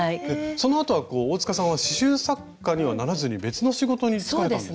そのあとは大さんは刺しゅう作家にはならずに別の仕事に就かれたんですか？